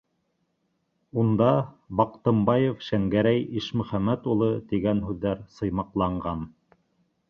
Унда «Баҡтымбаев Шәңгәрәй Ишмөхәмәт улы» тигән һүҙҙәр сыймаҡланған.